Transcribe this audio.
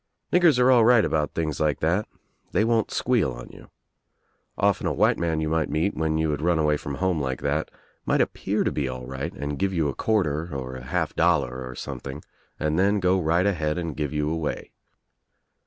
Niggers are ail right about things like that. They won't squeal on you. Often a white man you might meet, when you had run away from home like that, might appear to be all right and give you a quarter half dollar or sometl lethlng, 1 go right J give you away.